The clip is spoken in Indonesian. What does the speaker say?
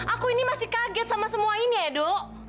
aku ini masih kaget sama semua ini ya dok